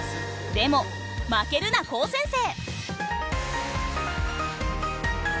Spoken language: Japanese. でも負けるな高専生！